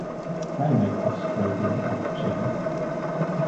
I like the scraping of chairs.